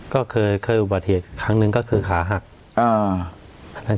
ก็เคยเคยอุบัติเหตุครั้งหนึ่งก็คือขาหัก